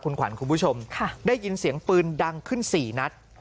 คุณขวัญคุณผู้ชมได้ยินเสียงปืนดังขึ้น๔นัด